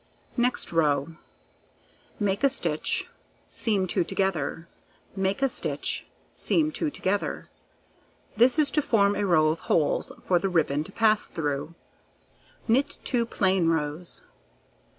Next row: Make a stitch, seam 2 together, make a stitch, seam 2 together; this is to form a row of holes for the ribbon to pass through; knit 2 plain rows.